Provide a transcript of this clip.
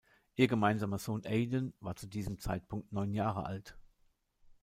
Ihr gemeinsamer Sohn Aiden war zu diesem Zeitpunkt neun Jahre alt.